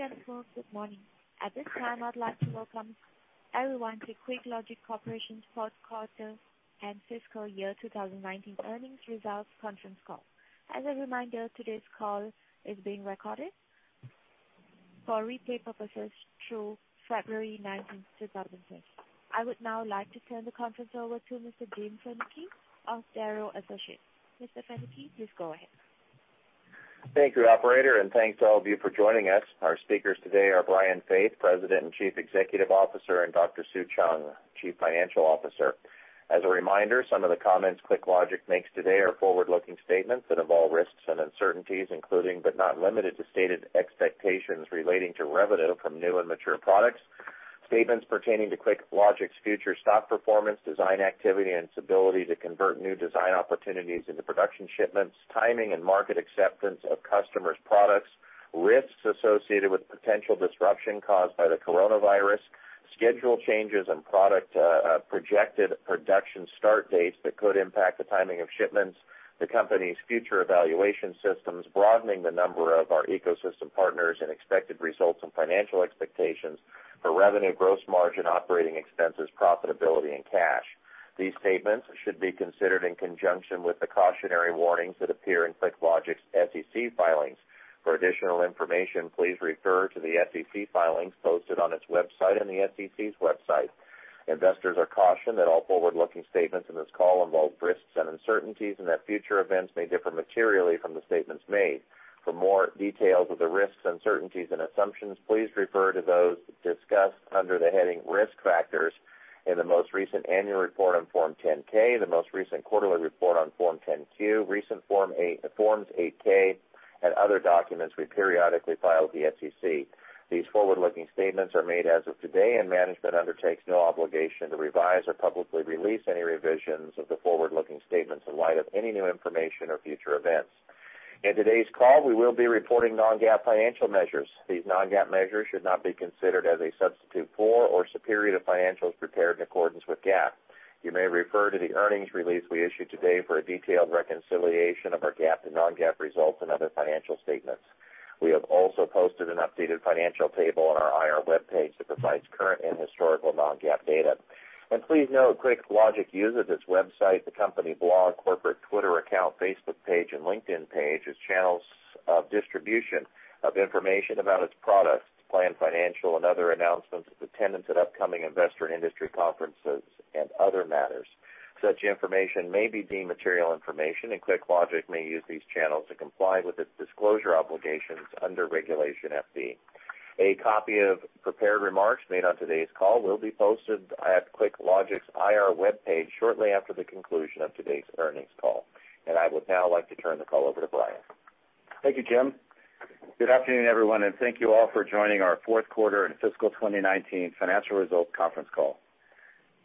Ladies and gentlemen, good morning. At this time, I'd like to welcome everyone to QuickLogic Corporation's fourth quarter and fiscal year 2019 earnings results conference call. As a reminder, today's call is being recorded for replay purposes through February 19, 2006. I would now like to turn the conference over to Mr. Jim Fanucchi of Darrow Associates. Mr. Fanucchi, please go ahead. Thank you, operator. Thanks to all of you for joining us. Our speakers today are Brian Faith, President and Chief Executive Officer, and Dr. Sue Cheung, Chief Financial Officer. As a reminder, some of the comments QuickLogic makes today are forward-looking statements that involve risks and uncertainties, including but not limited to stated expectations relating to revenue from new and mature products. Statements pertaining to QuickLogic's future stock performance, design activity, and its ability to convert new design opportunities into production shipments, timing and market acceptance of customers' products, risks associated with potential disruption caused by the coronavirus, schedule changes and product projected production start dates that could impact the timing of shipments, the company's future evaluation systems, broadening the number of our ecosystem partners, and expected results and financial expectations for revenue, gross margin, operating expenses, profitability, and cash. These statements should be considered in conjunction with the cautionary warnings that appear in QuickLogic's SEC filings. For additional information, please refer to the SEC filings posted on its website and the SEC's website. Investors are cautioned that all forward-looking statements in this call involve risks and uncertainties and that future events may differ materially from the statements made. For more details of the risks, uncertainties, and assumptions, please refer to those discussed under the heading Risk Factors in the most recent annual report on Form 10-K, the most recent quarterly report on Form 10-Q, recent Form 8-K, and other documents we periodically file with the SEC. These forward-looking statements are made as of today, and management undertakes no obligation to revise or publicly release any revisions of the forward-looking statements in light of any new information or future events. In today's call, we will be reporting non-GAAP financial measures. These non-GAAP measures should not be considered as a substitute for or superior to financials prepared in accordance with GAAP. You may refer to the earnings release we issued today for a detailed reconciliation of our GAAP to non-GAAP results and other financial statements. We have also posted an updated financial table on our IR webpage that provides current and historical non-GAAP data. Please note, QuickLogic uses its website, the company blog, corporate Twitter account, Facebook page, and LinkedIn page as channels of distribution of information about its products, planned financial and other announcements, its attendance at upcoming investor and industry conferences, and other matters. Such information may be deemed material information, and QuickLogic may use these channels to comply with its disclosure obligations under Regulation FD. A copy of prepared remarks made on today's call will be posted at QuickLogic's IR webpage shortly after the conclusion of today's earnings call. I would now like to turn the call over to Brian. Thank you, Jim. Good afternoon, everyone, and thank you all for joining our fourth quarter and fiscal 2019 financial results conference call.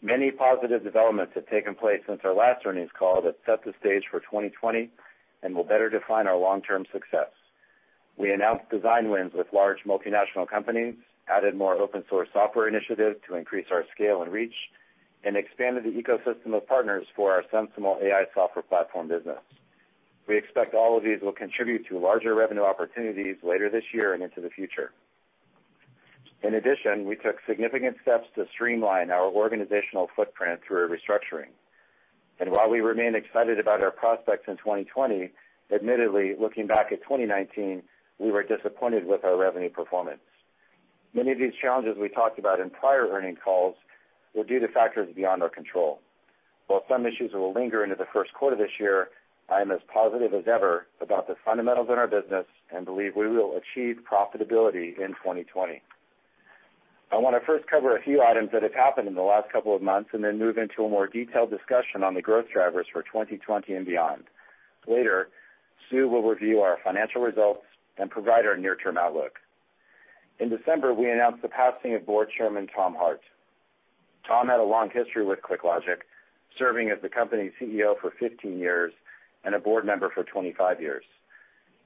Many positive developments have taken place since our last earnings call that set the stage for 2020 and will better define our long-term success. We announced design wins with large multinational companies, added more open-source software initiatives to increase our scale and reach, and expanded the ecosystem of partners for our SensiML AI software platform business. We expect all of these will contribute to larger revenue opportunities later this year and into the future. In addition, we took significant steps to streamline our organizational footprint through a restructuring. While we remain excited about our prospects in 2020, admittedly, looking back at 2019, we were disappointed with our revenue performance. Many of these challenges we talked about in prior earning calls were due to factors beyond our control. While some issues will linger into the first quarter this year, I am as positive as ever about the fundamentals in our business and believe we will achieve profitability in 2020. I want to first cover a few items that have happened in the last couple of months and then move into a more detailed discussion on the growth drivers for 2020 and beyond. Later, Sue will review our financial results and provide our near-term outlook. In December, we announced the passing of Board Chairman Tom Hart. Tom had a long history with QuickLogic, serving as the company's CEO for 15 years and a board member for 25 years.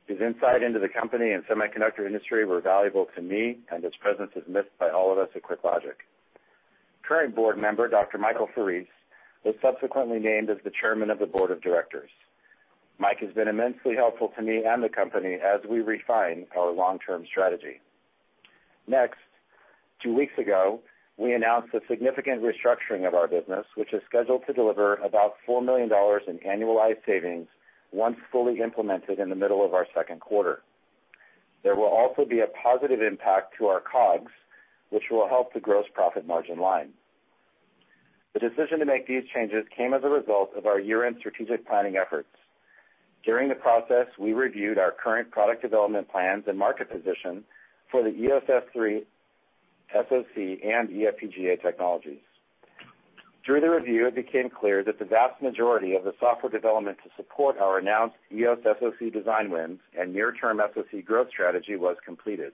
His insight into the company and semiconductor industry were valuable to me, and his presence is missed by all of us at QuickLogic. Current board member Dr. Michael Farese was subsequently named as the Chairman of the Board of Directors. Mike has been immensely helpful to me and the company as we refine our long-term strategy. Next, two weeks ago, we announced a significant restructuring of our business, which is scheduled to deliver about $4 million in annualized savings once fully implemented in the middle of our second quarter. There will also be a positive impact to our COGS, which will help the gross profit margin line. The decision to make these changes came as a result of our year-end strategic planning efforts. During the process, we reviewed our current product development plans and market position for the EOS S3 SoC and eFPGA technologies. Through the review, it became clear that the vast majority of the software development to support our announced EOS SoC design wins and near-term SoC growth strategy was completed.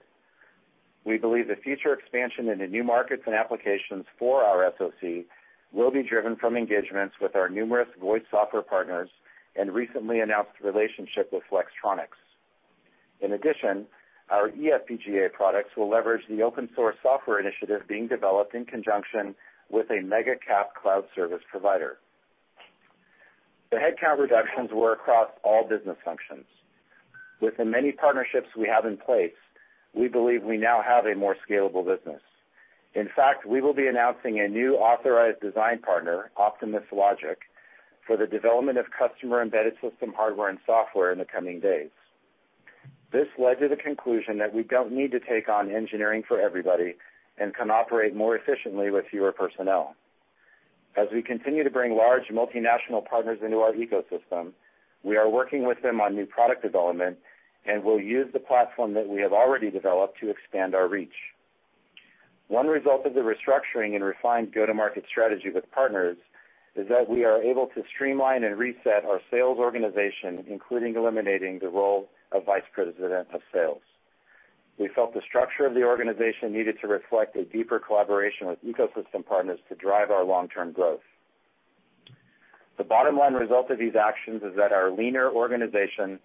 We believe the future expansion into new markets and applications for our SoC will be driven from engagements with our numerous voice software partners and recently announced relationship with Flex. Our eFPGA products will leverage the open-source software initiative being developed in conjunction with a mega cap cloud service provider. The headcount reductions were across all business functions. With the many partnerships we have in place, we believe we now have a more scalable business. We will be announcing a new authorized design partner, OptimusLogic, for the development of customer-embedded system hardware and software in the coming days. This led to the conclusion that we don't need to take on engineering for everybody and can operate more efficiently with fewer personnel. As we continue to bring large multinational partners into our ecosystem, we are working with them on new product development and will use the platform that we have already developed to expand our reach. One result of the restructuring and refined go-to-market strategy with partners is that we are able to streamline and reset our sales organization, including eliminating the role of vice president of sales. We felt the structure of the organization needed to reflect a deeper collaboration with ecosystem partners to drive our long-term growth. The bottom line result of these actions is that our leaner organization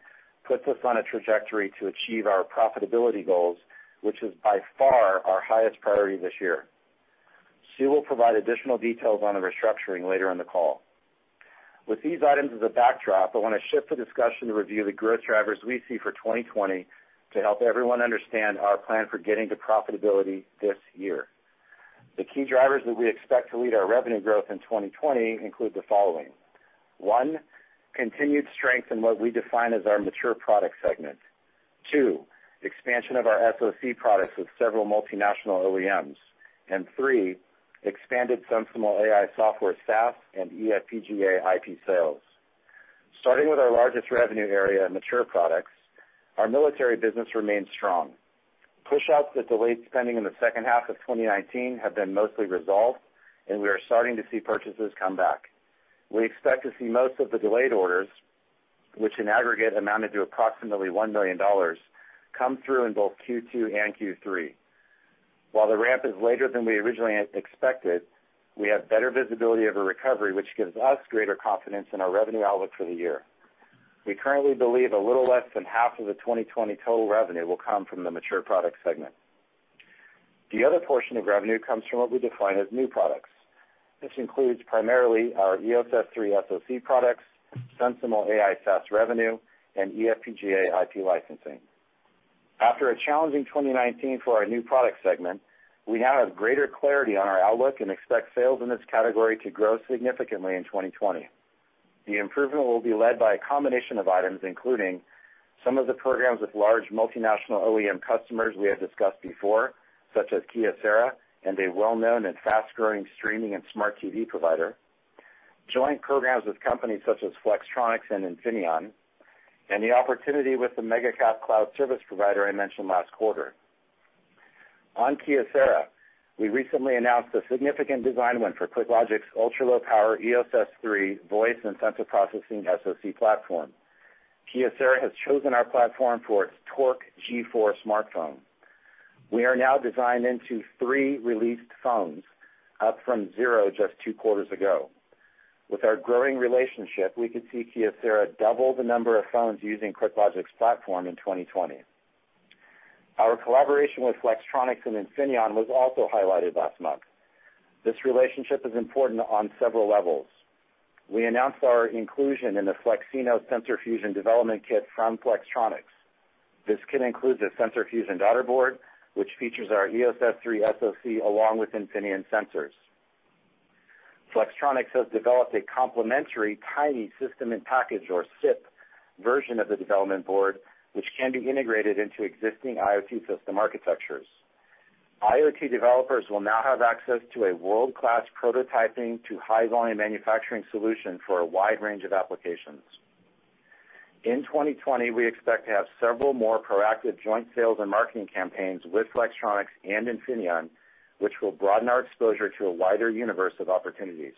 puts us on a trajectory to achieve our profitability goals, which is by far our highest priority this year. Sue will provide additional details on the restructuring later in the call. With these items as a backdrop, I want to shift the discussion to review the growth drivers we see for 2020 to help everyone understand our plan for getting to profitability this year. The key drivers that we expect to lead our revenue growth in 2020 include the following. One, continued strength in what we define as our mature product segment. Two, expansion of our SoC products with several multinational OEMs. Three, expanded SensiML AI software SaaS and eFPGA IP sales. Starting with our largest revenue area, mature products, our military business remains strong. Pushouts that delayed spending in the second half of 2019 have been mostly resolved, and we are starting to see purchases come back. We expect to see most of the delayed orders, which in aggregate amounted to approximately $1 million, come through in both Q2 and Q3. While the ramp is later than we originally expected, we have better visibility of a recovery, which gives us greater confidence in our revenue outlook for the year. We currently believe a little less than half of the 2020 total revenue will come from the mature product segment. The other portion of revenue comes from what we define as new products. This includes primarily our EOS S3 SoC products, SensiML AI SaaS revenue, and eFPGA IP licensing. After a challenging 2019 for our new product segment, we now have greater clarity on our outlook and expect sales in this category to grow significantly in 2020. The improvement will be led by a combination of items, including some of the programs with large multinational OEM customers we have discussed before, such as Kyocera and a well-known and fast-growing streaming and smart TV provider, joint programs with companies such as Flextronics and Infineon, and the opportunity with the mega cap cloud service provider I mentioned last quarter. On Kyocera, we recently announced a significant design win for QuickLogic's ultra-low power EOS S3 voice and sensor processing SoC platform. Kyocera has chosen our platform for its TORQUE G4 smartphone. We are now designed into three released phones, up from zero just two quarters ago. With our growing relationship, we could see Kyocera double the number of phones using QuickLogic's platform in 2020. Our collaboration with Flextronics and Infineon was also highlighted last month. This relationship is important on several levels. We announced our inclusion in the FLEXino Sensor Fusion development kit from Flex. This kit includes a sensor fusion daughterboard, which features our EOS S3 SoC along with Infineon sensors. Flex has developed a complementary tiny system in package, or SiP, version of the development board, which can be integrated into existing IoT system architectures. IoT developers will now have access to a world-class prototyping to high-volume manufacturing solution for a wide range of applications. In 2020, we expect to have several more proactive joint sales and marketing campaigns with Flex and Infineon, which will broaden our exposure to a wider universe of opportunities.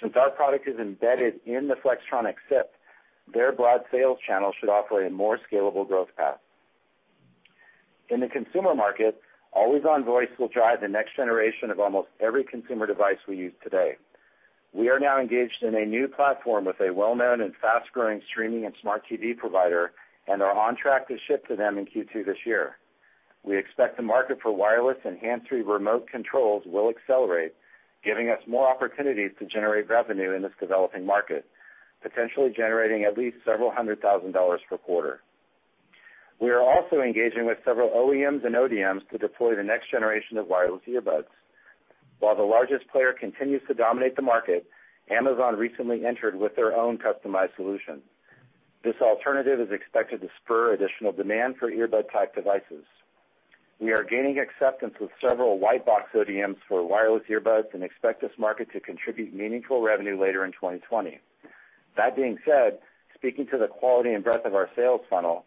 Since our product is embedded in the Flex SiP, their broad sales channel should offer a more scalable growth path. In the consumer market, always-on voice will drive the next generation of almost every consumer device we use today. We are now engaged in a new platform with a well-known and fast-growing streaming and smart TV provider, and are on track to ship to them in Q2 this year. We expect the market for wireless and hands-free remote controls will accelerate, giving us more opportunities to generate revenue in this developing market, potentially generating at least several hundred thousand per quarter. We are also engaging with several OEMs and ODMs to deploy the next generation of wireless earbuds. While the largest player continues to dominate the market, Amazon recently entered with their own customized solution. This alternative is expected to spur additional demand for earbud-type devices. We are gaining acceptance with several white box ODMs for wireless earbuds and expect this market to contribute meaningful revenue later in 2020. That being said, speaking to the quality and breadth of our sales funnel,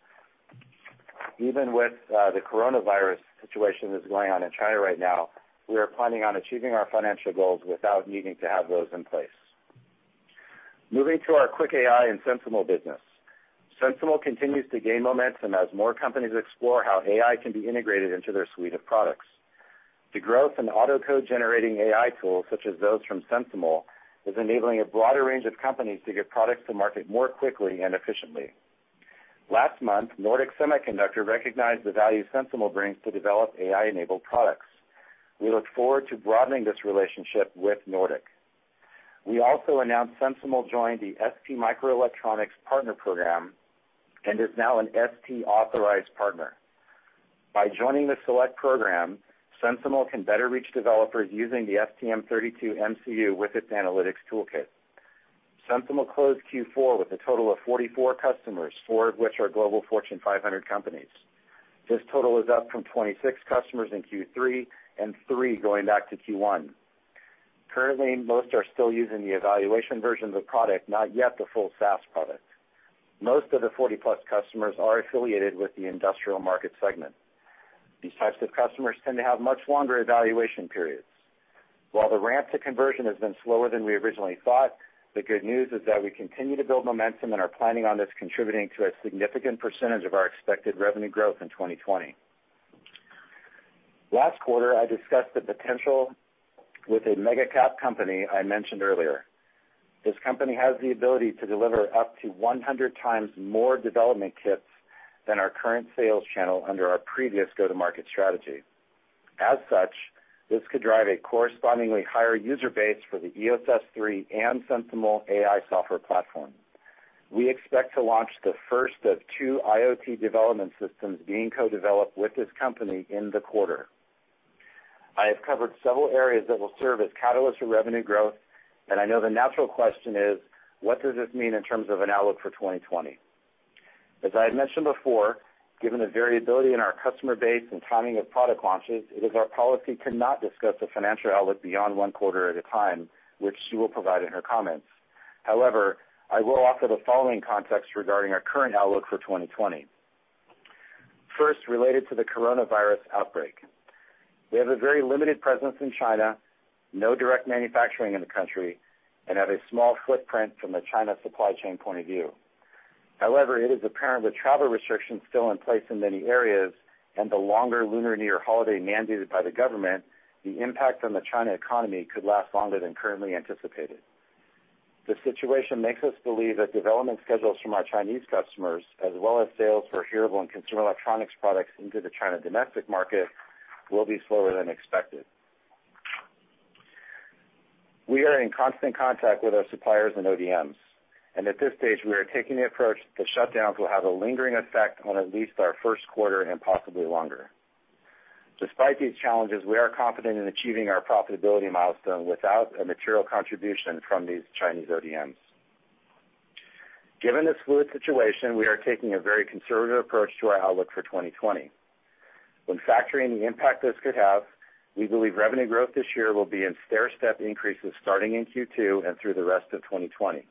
even with the coronavirus situation that's going on in China right now, we are planning on achieving our financial goals without needing to have those in place. Moving to our QuickAI and SensiML business. SensiML continues to gain momentum as more companies explore how AI can be integrated into their suite of products. The growth in auto code-generating AI tools, such as those from SensiML, is enabling a broader range of companies to get products to market more quickly and efficiently. Last month, Nordic Semiconductor recognized the value SensiML brings to develop AI-enabled products. We look forward to broadening this relationship with Nordic. We also announced SensiML joined the STMicroelectronics partner program and is now an ST authorized partner. By joining the select program, SensiML can better reach developers using the STM32 MCU with its analytics toolkit. SensiML closed Q4 with a total of 44 customers, four of which are Fortune Global 500 companies. This total is up from 26 customers in Q3 and three going back to Q1. Currently, most are still using the evaluation versions of product, not yet the full SaaS product. Most of the 40-plus customers are affiliated with the industrial market segment. These types of customers tend to have much longer evaluation periods. While the ramp to conversion has been slower than we originally thought, the good news is that we continue to build momentum and are planning on this contributing to a significant percentage of our expected revenue growth in 2020. Last quarter, I discussed the potential with a mega cap company I mentioned earlier. This company has the ability to deliver up to 100 times more development kits than our current sales channel under our previous go-to-market strategy. As such, this could drive a correspondingly higher user base for the EOS S3 and SensiML AI software platform. We expect to launch the first of two IoT development systems being co-developed with this company in the quarter. I have covered several areas that will serve as catalysts for revenue growth. I know the natural question is: What does this mean in terms of an outlook for 2020? As I had mentioned before, given the variability in our customer base and timing of product launches, it is our policy to not discuss the financial outlook beyond one quarter at a time, which Sue will provide in her comments. However, I will offer the following context regarding our current outlook for 2020. First, related to the coronavirus outbreak. We have a very limited presence in China, no direct manufacturing in the country, and have a small footprint from a China supply chain point of view. However, it is apparent with travel restrictions still in place in many areas and the longer Lunar New Year holiday mandated by the government, the impact on the China economy could last longer than currently anticipated. The situation makes us believe that development schedules from our Chinese customers, as well as sales for hearable and consumer electronics products into the China domestic market will be slower than expected. We are in constant contact with our suppliers and ODMs, and at this stage we are taking the approach that shutdowns will have a lingering effect on at least our first quarter and possibly longer. Despite these challenges, we are confident in achieving our profitability milestone without a material contribution from these Chinese ODMs. Given this fluid situation, we are taking a very conservative approach to our outlook for 2020. When factoring the impact this could have, we believe revenue growth this year will be in stair-step increases starting in Q2 and through the rest of 2020.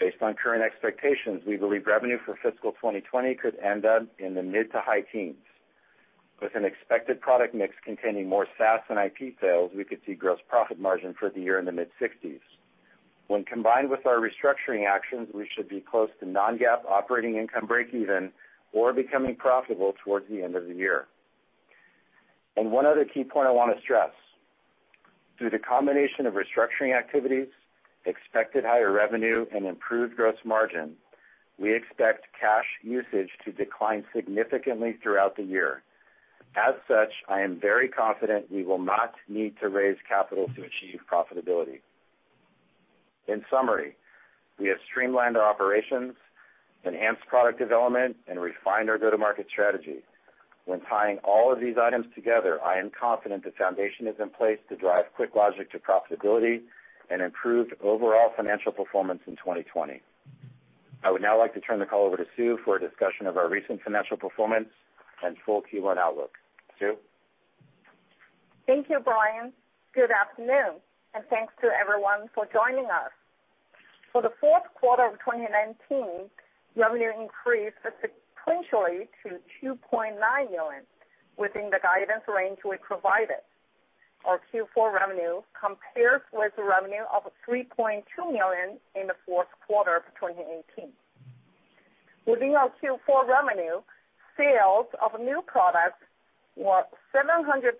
Based on current expectations, we believe revenue for fiscal 2020 could end up in the mid-to-high teens. With an expected product mix containing more SaaS and IP sales, we could see gross profit margin for the year in the mid-60s. When combined with our restructuring actions, we should be close to non-GAAP operating income break even or becoming profitable towards the end of the year. One other key point I want to stress. Through the combination of restructuring activities, expected higher revenue, and improved gross margin, we expect cash usage to decline significantly throughout the year. As such, I am very confident we will not need to raise capital to achieve profitability. In summary, we have streamlined our operations, enhanced product development, and refined our go-to-market strategy. When tying all of these items together, I am confident the foundation is in place to drive QuickLogic to profitability and improved overall financial performance in 2020. I would now like to turn the call over to Sue for a discussion of our recent financial performance and full Q1 outlook. Sue? Thank you, Brian. Good afternoon, and thanks to everyone for joining us. For the fourth quarter of 2019, revenue increased sequentially to $2.9 million, within the guidance range we provided. Our Q4 revenue compares with revenue of $3.2 million in the fourth quarter of 2018. Within our Q4 revenue, sales of new products were $720,000.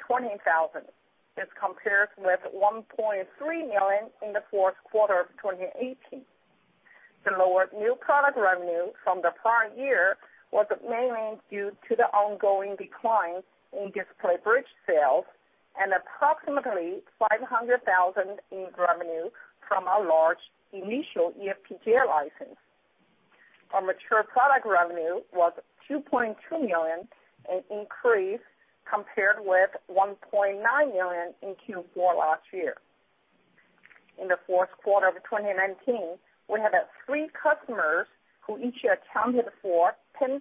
This compares with $1.3 million in the fourth quarter of 2018. The lower new product revenue from the prior year was mainly due to the ongoing decline in display bridge sales and approximately $500,000 in revenue from our large initial eFPGA license. Our mature product revenue was $2.2 million, an increase compared with $1.9 million in Q4 last year. In the fourth quarter of 2019, we had three customers who each accounted for 10%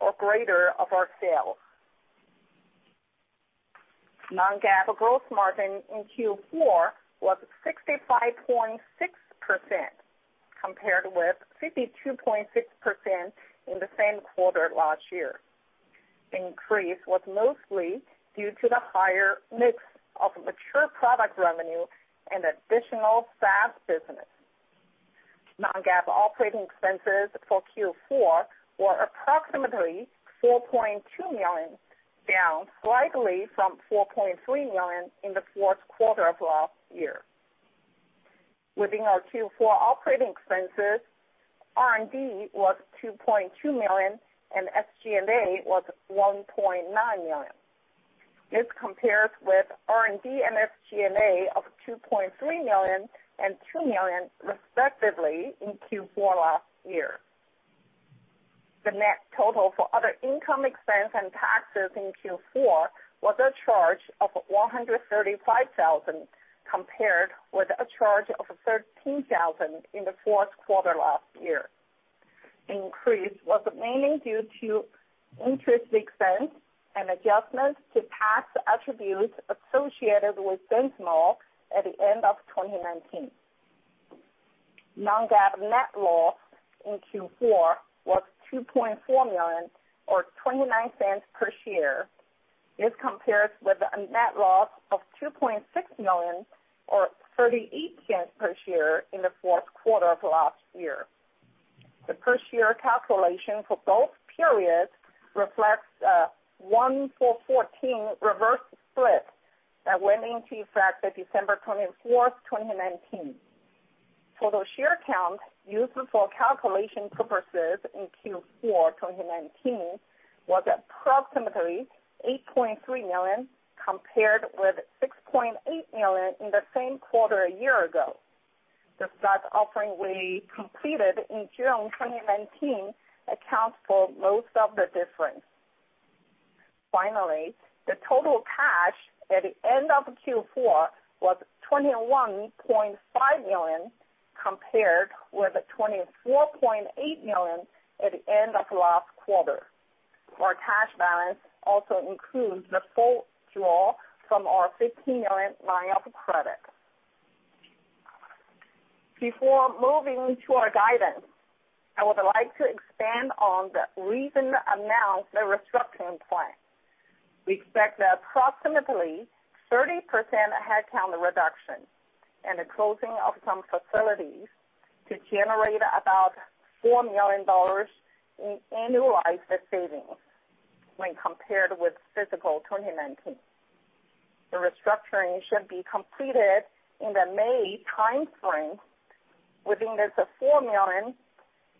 or greater of our sales. Non-GAAP gross margin in Q4 was 65.6%, compared with 52.6% in the same quarter last year. Increase was mostly due to the higher mix of mature product revenue and additional SaaS business. Non-GAAP operating expenses for Q4 were approximately $4.2 million, down slightly from $4.3 million in the fourth quarter of last year. Within our Q4 operating expenses, R&D was $2.2 million and SG&A was $1.9 million. This compares with R&D and SG&A of $2.3 million and $2 million respectively in Q4 last year. The net total for other income expense and taxes in Q4 was a charge of $135,000 compared with a charge of $13,000 in the fourth quarter last year. Increase was mainly due to interest expense and adjustments to past attributes associated with SensiML at the end of 2019. Non-GAAP net loss in Q4 was $2.4 million or $0.29 per share. This compares with a net loss of $2.6 million or $0.38 per share in the fourth quarter of last year. The per share calculation for both periods reflects a 1-for-14 reverse split that went into effect at December 24, 2019. Total share count used for calculation purposes in Q4 2019 was approximately$ 8.3 million, compared with $6.8 million in the same quarter a year ago. The stock offering we completed in June 2019 accounts for most of the difference. The total cash at the end of Q4 was $21.5 million, compared with $24.8 million at the end of last quarter. Our cash balance also includes the full draw from our $15 million line of credit. Before moving to our guidance, I would like to expand on the recent announced restructuring plan. We expect approximately 30% headcount reduction and the closing of some facilities to generate about $4 million in annualized savings when compared with fiscal 2019. The restructuring should be completed in the May timeframe within the $4 million,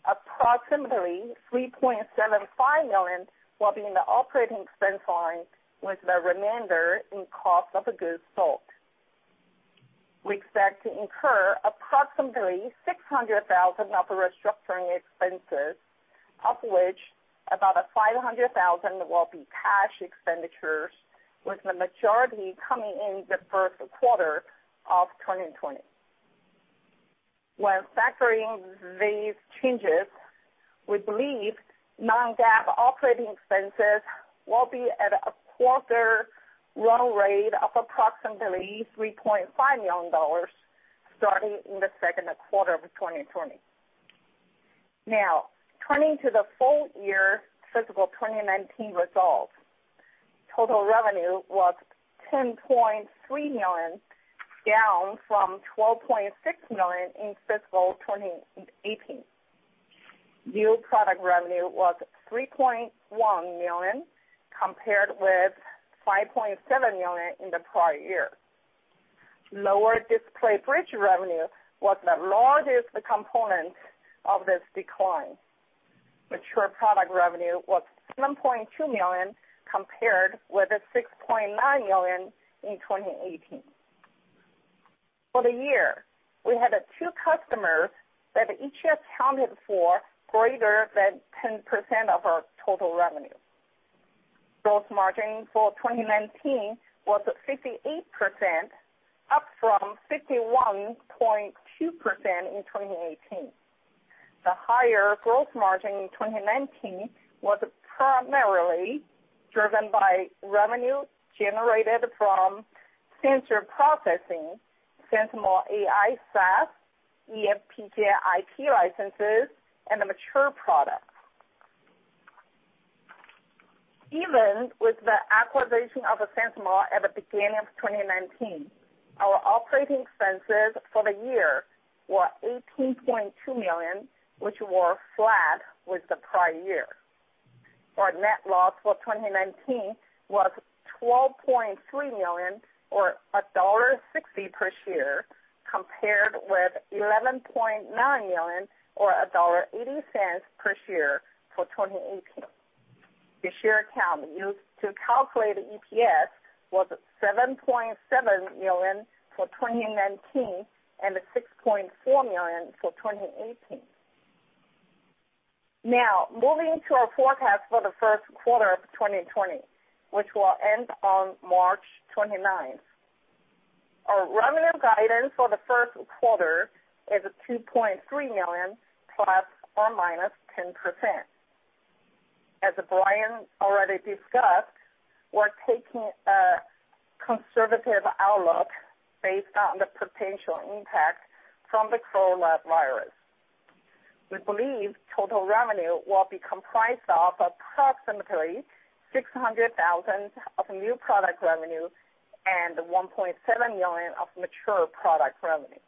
approximately $3.75 million will be in the operating expense line with the remainder in cost of goods sold. We expect to incur approximately $600,000 of restructuring expenses, of which about $500,000 will be cash expenditures, with the majority coming in the first quarter of 2020. When factoring these changes, we believe non-GAAP operating expenses will be at a quarter run rate of approximately $3.5 million, starting in the second quarter of 2020. Turning to the full year fiscal 2019 results. Total revenue was $10.3 million, down from $12.6 million in fiscal 2018. New product revenue was $3.1 million, compared with $5.7 million in the prior year. Lower display bridge revenue was the largest component of this decline. Mature product revenue was $7.2 million, compared with $6.9 million in 2018. For the year, we had two customers that each accounted for greater than 10% of our total revenue. Gross margin for 2019 was 58%, up from 51.2% in 2018. The higher growth margin in 2019 was primarily driven by revenue generated from sensor processing, SensiML AI SaaS, eFPGA IP licenses, and the mature products. Even with the acquisition of SensiML at the beginning of 2019, our operating expenses for the year were $18.2 million, which were flat with the prior year. Our net loss for 2019 was $12.3 million or $1.60 per share, compared with $11.9 million or $1.80 per share for 2018. The share count used to calculate EPS was $7.7 million for 2019 and $6.4 million for 2018. Moving to our forecast for the first quarter of 2020, which will end on March 29th. Our revenue guidance for the first quarter is $2.3 million ±10%. As Brian already discussed, we're taking a conservative outlook based on the potential impact from the coronavirus. We believe total revenue will be comprised of approximately $600,000 of new product revenue and $1.7 million of mature product revenue.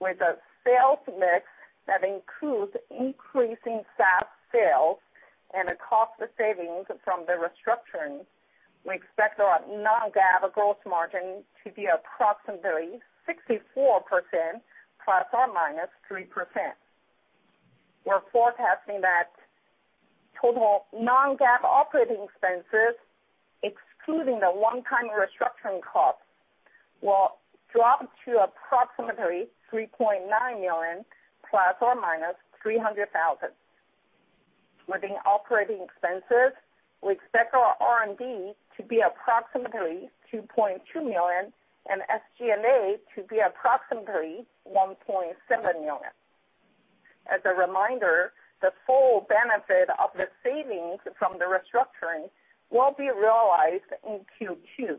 With a sales mix that includes increasing SaaS sales and a cost of savings from the restructuring, we expect our non-GAAP gross margin to be approximately 64% ±3%. We're forecasting that total non-GAAP operating expenses, excluding the one-time restructuring costs, will drop to approximately $3.9 million ±$300,000. Within operating expenses, we expect our R&D to be approximately $2.2 million and SG&A to be approximately $1.7 million. As a reminder, the full benefit of the savings from the restructuring will be realized in Q2,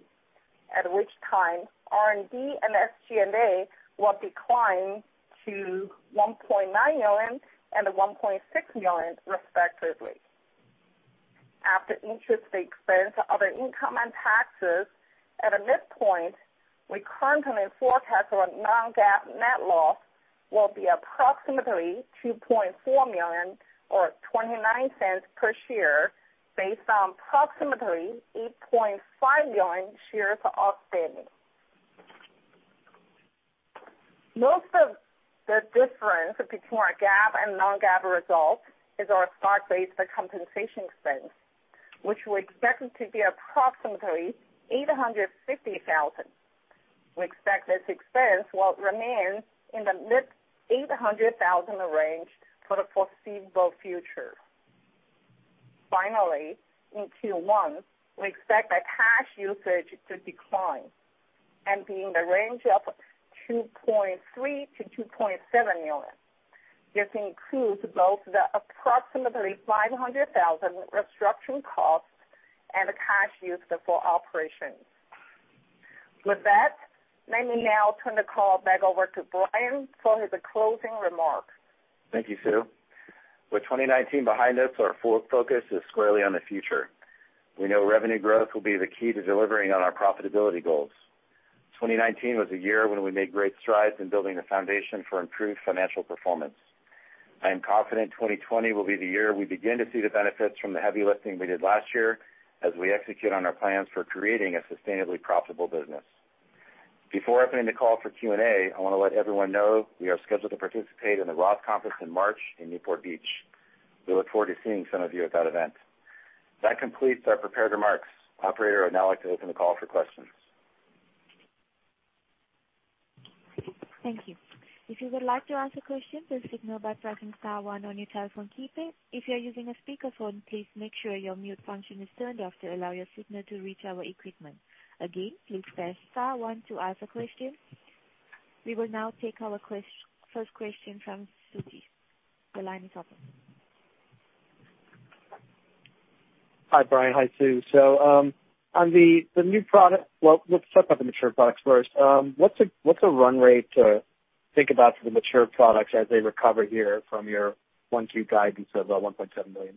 at which time R&D and SG&A will decline to $1.9 million and $1.6 million respectively. After interest expense, other income and taxes at a midpoint, we currently forecast our non-GAAP net loss will be approximately $2.4 million or $0.29 per share based on approximately $8.5 million shares outstanding. Most of the difference between our GAAP and non-GAAP results is our stock-based compensation expense, which we expect to be approximately $850,000. We expect this expense will remain in the mid-$800,000 range for the foreseeable future. Finally, in Q1, we expect our cash usage to decline and be in the range of $2.3 million-$2.7 million. This includes both the approximately $500,000 restructuring costs and the cash used for operations. With that, let me now turn the call back over to Brian for his closing remarks. Thank you, Sue. With 2019 behind us, our full focus is squarely on the future. We know revenue growth will be the key to delivering on our profitability goals. 2019 was a year when we made great strides in building the foundation for improved financial performance. I am confident 2020 will be the year we begin to see the benefits from the heavy lifting we did last year as we execute on our plans for creating a sustainably profitable business. Before opening the call for Q&A, I want to let everyone know we are scheduled to participate in the ROTH Conference in March in Newport Beach. We look forward to seeing some of you at that event. That completes our prepared remarks. Operator, I'd now like to open the call for questions. Thank you. If you would like to ask a question, please signal by pressing star one on your telephone keypad. If you are using a speakerphone, please make sure your mute function is turned off to allow your signal to reach our equipment. Again, please press star one to ask a question. We will now take our first question from Sujit. The line is open. Hi, Brian. Hi, Sue. Let's talk about the mature products first. What's a run rate to think about for the mature products as they recover here from your Q1, Q2 guidance of $1.7 million?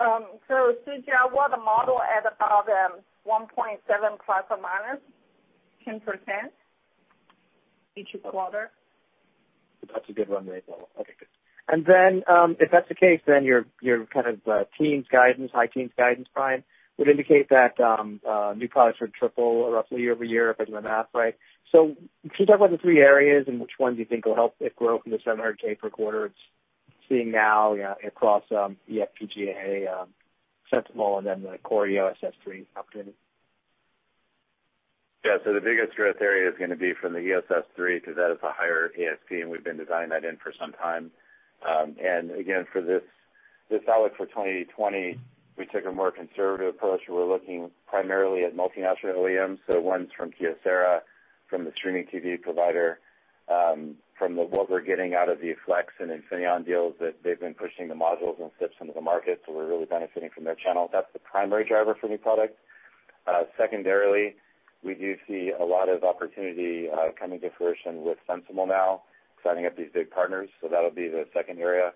Sujit, I want to model at about $1.7 million ±10% each quarter. That's a good run rate model. Okay, good. If that's the case, then your kind of teens guidance, high teens guidance, Brian, would indicate that new products are triple roughly year-over-year, if I do my math right. Can you talk about the three areas and which ones you think will help it grow from the $700,000 per quarter it's seeing now across eFPGA, SensiML, and then the core EOS S3 opportunity? Yeah. The biggest growth area is going to be from the EOS S3, because that is a higher ASP. We've been designing that in for some time. Again, for this outlook for 2020, we took a more conservative approach. We're looking primarily at multinational OEMs. Ones from Kyocera, from the streaming TV provider, from what we're getting out of the Flex and Infineon deals that they've been pushing the modules and chips into the market. We're really benefiting from their channel. That's the primary driver for new products. Secondarily, we do see a lot of opportunity coming to fruition with SensiML now, signing up these big partners. That'll be the second area.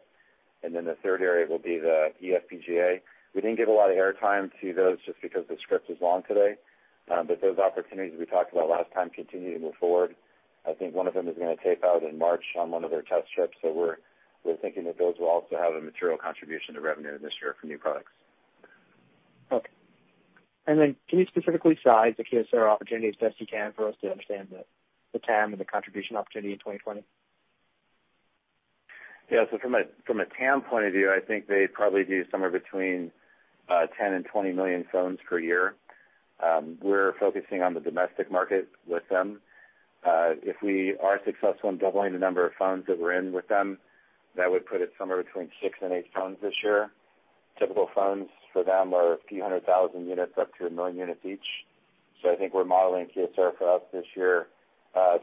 The third area will be the eFPGA. We didn't give a lot of air time to those just because the script was long today. Those opportunities we talked about last time continue to move forward. I think one of them is going to tape out in March on one of their test trips. We're thinking that those will also have a material contribution to revenue this year for new products. Okay. Can you specifically size the Kyocera opportunities best you can for us to understand the TAM and the contribution opportunity in 2020? From a TAM point of view, I think they probably do somewhere between 10 million and 20 million phones per year. We're focusing on the domestic market with them. If we are successful in doubling the number of phones that we're in with them, that would put it somewhere between six to eight phones this year. Typical phones for them are a few hundred thousand units, up to one million units each. I think we're modeling Kyocera for us this year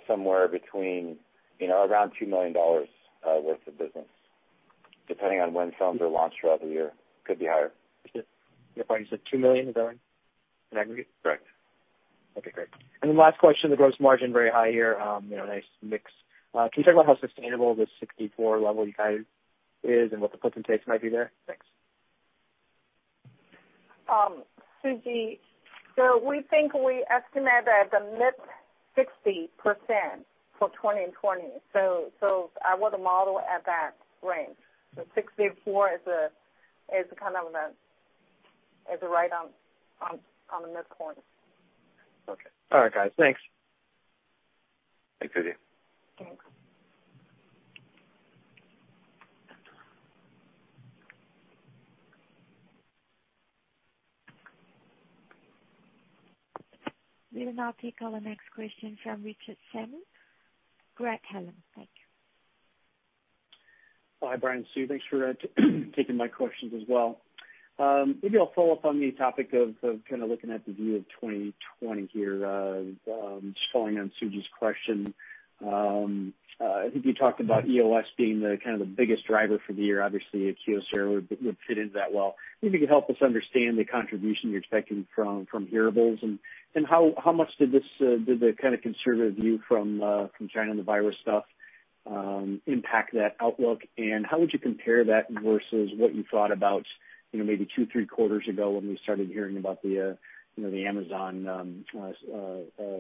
somewhere between around $2 million worth of business, depending on when phones are launched throughout the year. Could be higher. Okay. Yeah, Brian, you said $2 million in aggregate? Correct. Okay, great. Then last question, the gross margin very high here. Nice mix. Can you talk about how sustainable this 64 level you guided is and what the puts and takes might be there? Thanks. Sujit, we estimate that the mid-60% for 2020. I would model at that range. 64% is kind of right on the midpoint. Okay. All right, guys, thanks. Thanks, Sujit. Thanks. We will now take our next question from Richard Shannon, Craig-Hallum. Thank you. Hi, Brian, Sue. Thanks for taking my questions as well. Maybe I'll follow up on the topic of kind of looking at the view of 2020 here. Just following on Sujit's question. I think you talked about EOS being the kind of the biggest driver for the year. Obviously, the Kyocera would fit into that well. Maybe you could help us understand the contribution you're expecting from hearables, and how much did the kind of conservative view from China on the coronavirus impact that outlook, and how would you compare that versus what you thought about maybe two, three quarters ago when we started hearing about the Amazon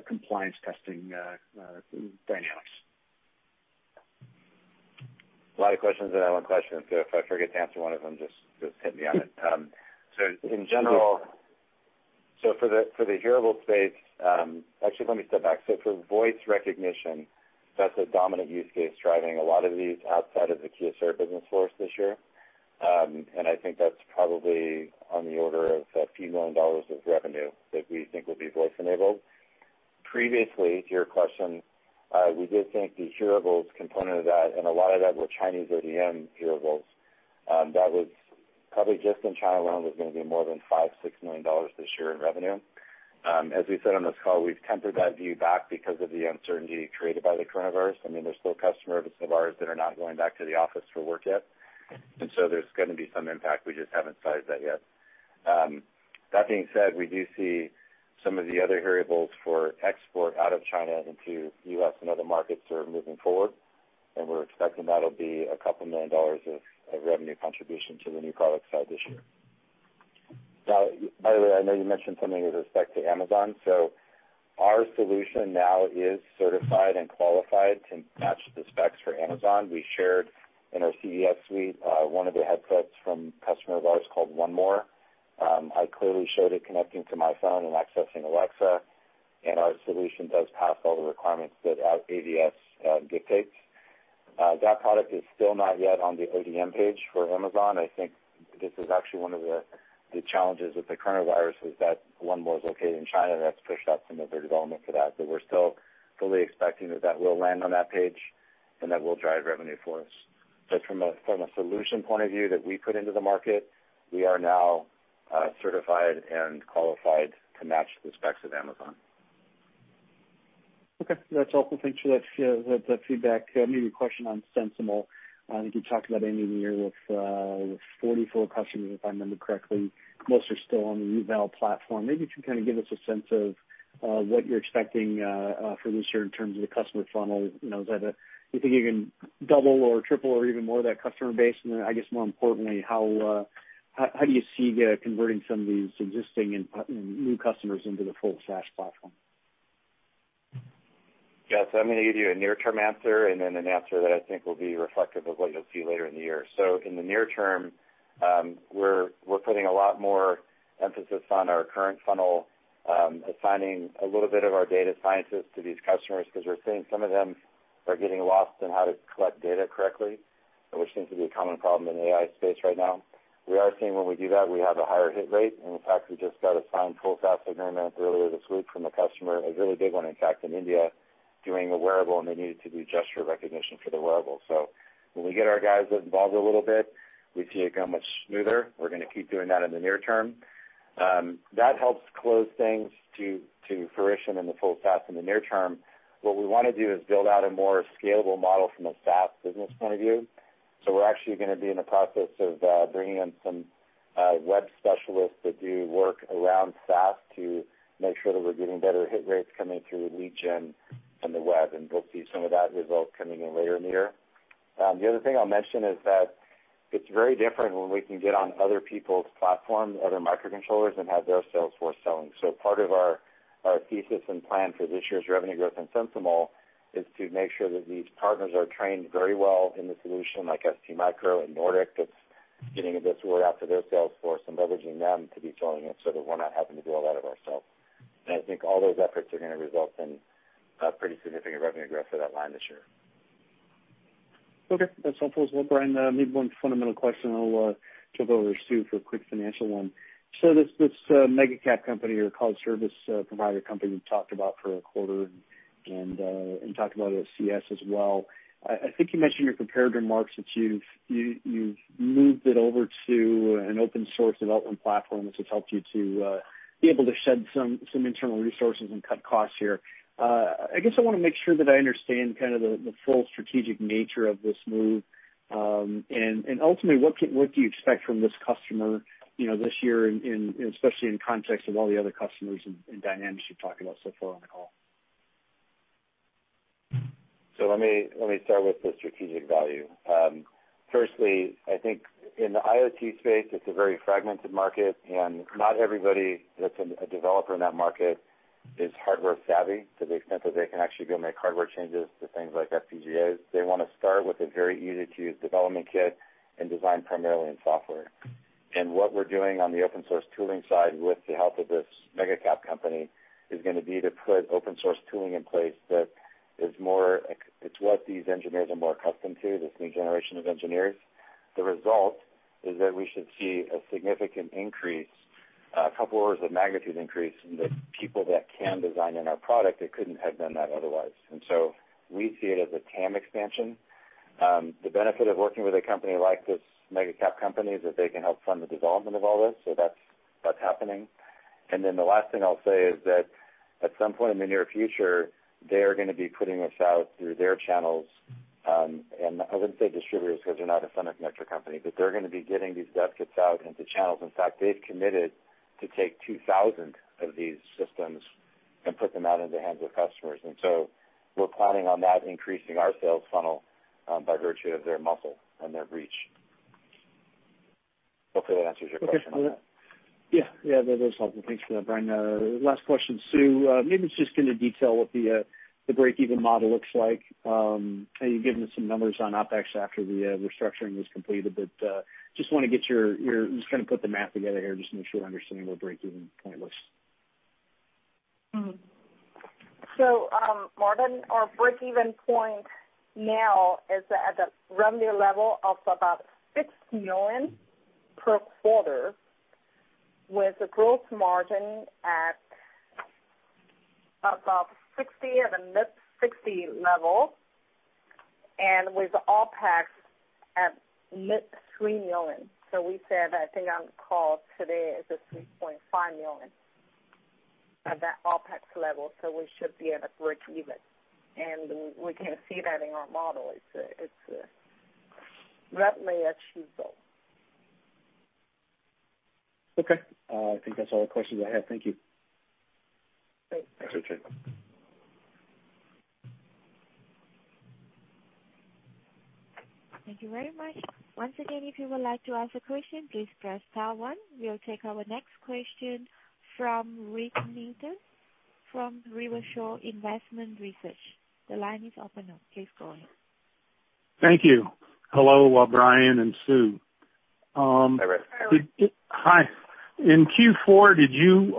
compliance testing dynamics? A lot of questions in that one question. If I forget to answer one of them, just hit me on it. In general, for the hearables space, actually, let me step back. For voice recognition, that's a dominant use case driving a lot of these outside of the Kyocera business for us this year. I think that's probably on the order of a few million dollars of revenue that we think will be voice enabled. Previously, to your question, we did think the hearables component of that, and a lot of that were Chinese ODM hearables, that was probably just in China alone, was going to be more than $5 million-$6 million this year in revenue. As we said on this call, we've tempered that view back because of the uncertainty created by the coronavirus. I mean, there's still customers of ours that are not going back to the office for work yet, and so there's going to be some impact. We just haven't sized that yet. That being said, we do see some of the other hearables for export out of China into U.S. and other markets are moving forward, and we're expecting that'll be a couple million dollars of revenue contribution to the new product side this year. Now, by the way, I know you mentioned something with respect to Amazon. Our solution now is certified and qualified to match the specs for Amazon. We shared in our CES suite, one of the headsets from customer of ours called 1MORE. I clearly showed it connecting to my phone and accessing Alexa, and our solution does pass all the requirements that our AVS dictates. That product is still not yet on the ODM page for Amazon. I think this is actually one of the challenges with the coronavirus is that 1MORE is located in China, and that's pushed out some of the development for that. We're still fully expecting that will land on that page and that will drive revenue for us. From a solution point of view that we put into the market, we are now certified and qualified to match the specs of Amazon. Okay. That's helpful. Thanks for that feedback. Maybe a question on SensiML. I think you talked about ending the year with 44 customers, if I remember correctly. Most are still on the eval platform. Maybe you can kind of give us a sense of what you're expecting for this year in terms of the customer funnel. Do you think you can double or triple or even more that customer base? I guess more importantly, how do you see converting some of these existing and new customers into the full SaaS platform? I'm going to give you a near-term answer and then an answer that I think will be reflective of what you'll see later in the year. In the near term, we're putting a lot more emphasis on our current funnel, assigning a little bit of our data scientists to these customers because we're seeing some of them are getting lost on how to collect data correctly, which seems to be a common problem in the AI space right now. We are seeing when we do that, we have a higher hit rate. In fact, we just got a signed full SaaS agreement earlier this week from a customer, a really big one, in fact, in India, doing a wearable, and they needed to do gesture recognition for the wearable. When we get our guys involved a little bit, we see it go much smoother. We're going to keep doing that in the near term. That helps close things to fruition in the full SaaS in the near term. What we want to do is build out a more scalable model from a SaaS business point of view. We're actually going to be in the process of bringing in some web specialists that do work around SaaS to make sure that we're getting better hit rates coming through lead gen on the web, and we'll see some of that result coming in later in the year. The other thing I'll mention is that it's very different when we can get on other people's platforms, other microcontrollers, and have their sales force selling. Part of our thesis and plan for this year's revenue growth in SensiML is to make sure that these partners are trained very well in the solution, like STMicro and Nordic, that's getting this word out to their sales force and leveraging them to be joining in so that we're not having to do all that of ourselves. I think all those efforts are going to result in a pretty significant revenue growth for that line this year. Okay. That's helpful as well, Brian. Maybe one fundamental question, I'll jump over to Sue for a quick financial one. This mega cap company or call service provider company we've talked about for a quarter and talked about at CES as well. I think you mentioned your comparative remarks that you've moved it over to an open source development platform, which has helped you to be able to shed some internal resources and cut costs here. I guess I want to make sure that I understand kind of the full strategic nature of this move. Ultimately, what do you expect from this customer this year, especially in context of all the other customers and dynamics you've talked about so far on the call? Let me start with the strategic value. Firstly, I think in the IoT space, it's a very fragmented market, and not everybody that's a developer in that market is hardware savvy to the extent that they can actually go make hardware changes to things like FPGAs. They want to start with a very easy-to-use development kit and design primarily in software. What we're doing on the open source tooling side, with the help of this mega cap company, is going to be to put open source tooling in place that is what these engineers are more accustomed to, this new generation of engineers. The result is that we should see a significant increase, a couple orders of magnitude increase, in the people that can design in our product that couldn't have done that otherwise. We see it as a TAM expansion. The benefit of working with a company like this mega cap company is that they can help fund the development of all this. That's happening. The last thing I'll say is that at some point in the near future, they are going to be putting this out through their channels. I wouldn't say distributors, because they're not a semiconductor company, but they're going to be getting these dev kits out into channels. In fact, they've committed to take 2,000 of these systems and put them out in the hands of customers. We're planning on that increasing our sales funnel, by virtue of their muscle and their reach. Hopefully that answers your question on that. Yeah. That was helpful. Thanks for that, Brian. Last question, Sue. Maybe it's just going to detail what the break-even model looks like. You've given us some numbers on OpEx after the restructuring was completed, but just want to put the math together here, just make sure I'm understanding where break-even point looks. More than, our break-even point now is at the revenue level of about $6 million per quarter, with a gross margin at about 60%, at a mid-60% level, with OpEx at mid-$3 million. We said, I think on the call today, it's a $3.5 million at that OpEx level, we should be at a break-even. We can see that in our model. It's roughly achievable. Okay. I think that's all the questions I have. Thank you. Thanks. That's okay. Thank you very much. Once again, if you would like to ask a question, please press star one. We'll take our next question from Rick Neaton from Rivershore Investment Research. The line is open now. Please go ahead. Thank you. Hello, Brian and Sue. Hi, Rick. Hello. Hi. In Q4, did you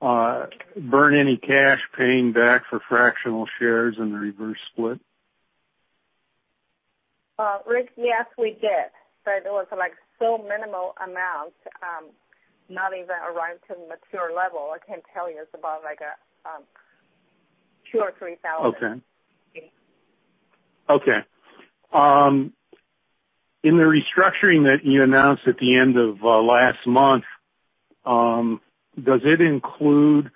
burn any cash paying back for fractional shares in the reverse split? Rick, yes, we did, but it was so minimal amount, not even arrived to material level. I can tell you it's about $2,000 or $3,000. Okay. In the restructuring that you announced at the end of last month, does it include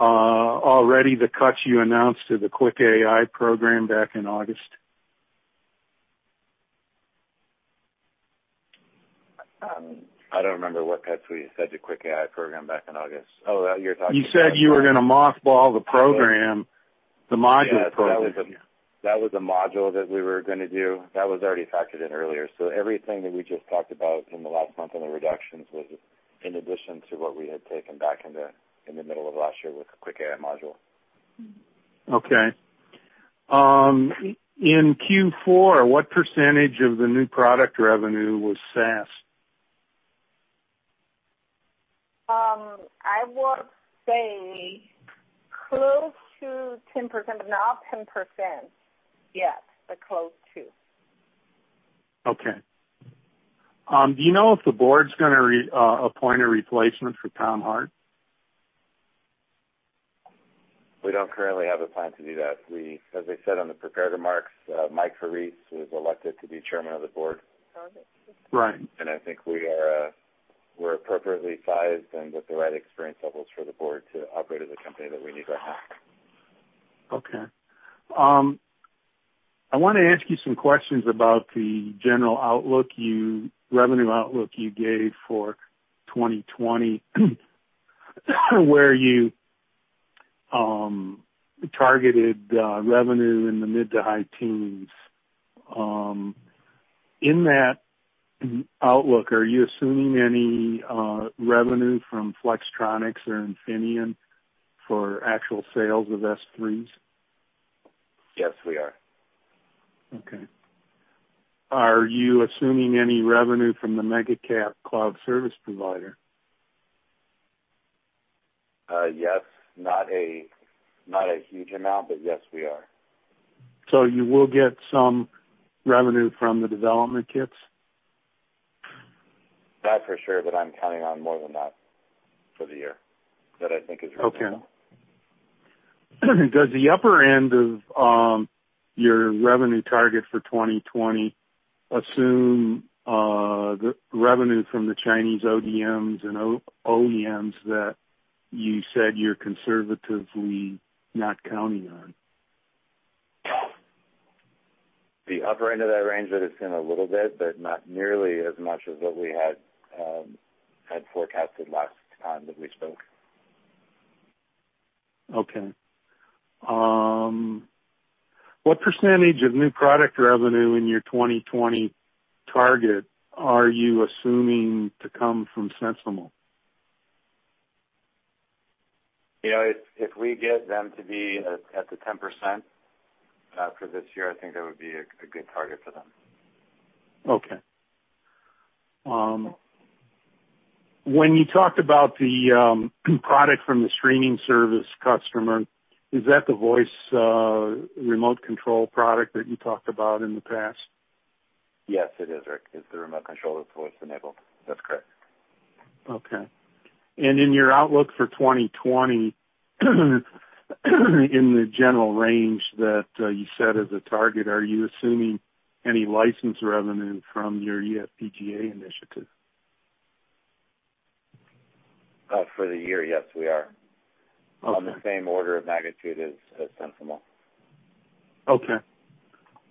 already the cuts you announced to the QuickAI program back in August? I don't remember what cuts we said to QuickAI program back in August. You said you were going to mothball the program, the module program. Yeah. That was a module that we were going to do. That was already factored in earlier. Everything that we just talked about in the last month on the reductions was in addition to what we had taken back in the middle of last year with the QuickAI module. Okay. In Q4, what percentage of the new product revenue was SaaS? I would say close to 10%, but not 10%. Yes, but close to. Okay. Do you know if the board's going to appoint a replacement for Tom Hart? We don't currently have a plan to do that. As I said on the prepared remarks, Mike Farese was elected to be Chairman of the Board. Right. I think we're appropriately sized and with the right experience levels for the board to operate as a company that we need to have. Okay. I want to ask you some questions about the general outlook, revenue outlook you gave for 2020, where you targeted revenue in the mid to high teens. In that outlook, are you assuming any revenue from Flex or Infineon for actual sales of S3s? Yes, we are. Okay. Are you assuming any revenue from the mega cap cloud service provider? Yes. Not a huge amount, but yes, we are. You will get some revenue from the development kits? That for sure, but I'm counting on more than that for the year that I think is reasonable. Okay. Does the upper end of your revenue target for 2020 assume the revenue from the Chinese ODMs and OEMs that you said you're conservatively not counting on? The upper end of that range that it's in a little bit, but not nearly as much as what we had forecasted last time that we spoke. Okay. What percentage of new product revenue in your 2020 target are you assuming to come from SensiML? If we get them to be at the 10% for this year, I think that would be a good target for them. Okay. When you talked about the product from the screening service customer, is that the voice remote control product that you talked about in the past? Yes, it is, Rick. It's the remote control that's voice-enabled. That's correct. Okay. In your outlook for 2020, in the general range that you set as a target, are you assuming any license revenue from your eFPGA initiative? For the year, yes, we are. Okay. On the same order of magnitude as SensiML. Okay.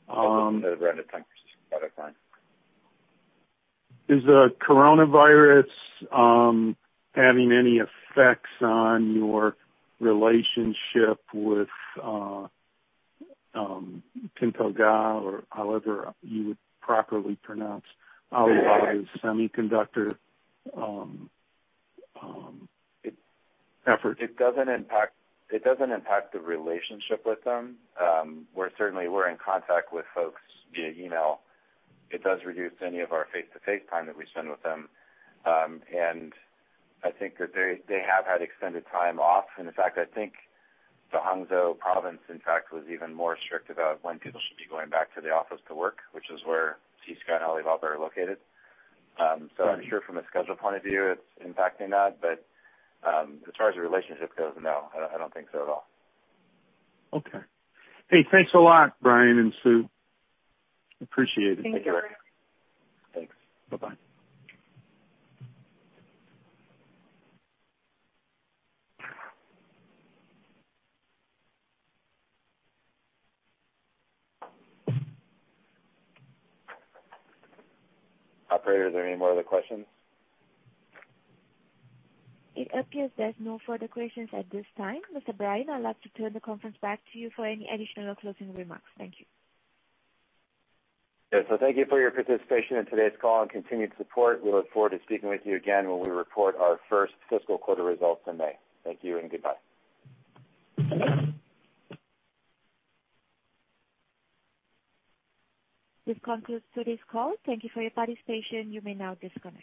Around the 10% product line. Is the coronavirus having any effects on your relationship with T-Head, or however you would properly pronounce Alibaba's semiconductor effort? It doesn't impact the relationship with them. We're in contact with folks via email. It does reduce any of our face-to-face time that we spend with them, and I think that they have had extended time off. In fact, I think the Hangzhou province, in fact, was even more strict about when people should be going back to the office to work, which is where CSGN and Alibaba are located. I'm sure from a schedule point of view, it's impacting that. As far as the relationship goes, no, I don't think so at all. Okay. Hey, thanks a lot, Brian and Sue. Appreciate it. Thank you, Rick. Thanks. Bye-bye. Operator, are there any more other questions? It appears there's no further questions at this time. Mr. Brian, I'd like to turn the conference back to you for any additional closing remarks. Thank you. Thank you for your participation in today's call and continued support. We look forward to speaking with you again when we report our first fiscal quarter results in May. Thank you and goodbye. This concludes today's call. Thank you for your participation. You may now disconnect.